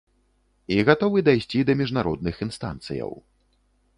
І гатовы дайсці да міжнародных інстанцыяў.